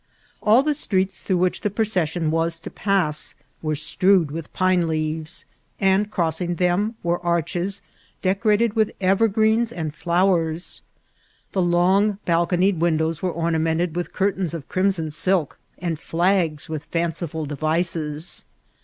All the streets through which the procession was to pass were strewed with pine leaves, and cross ing them were arches decorated with evergreens and 'flowers ; the long balconied windows were ornamented widi curtains of crimson silk, and flags with fancifrd devices.